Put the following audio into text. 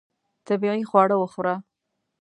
طبیعي خواړه وخوره.